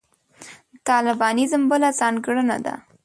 د طالبانیزم بله ځانګړنه ده.